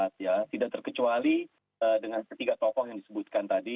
tidak terkecuali dengan ketiga tokoh yang disebutkan tadi